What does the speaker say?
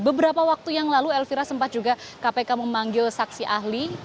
beberapa waktu yang lalu elvira sempat juga kpk memanggil saksi ahli